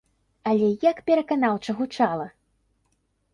Але як пераканаўча гучала!